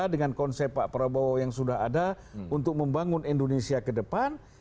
dengan konsep pak prabowo yang sudah ada untuk membangun indonesia ke depan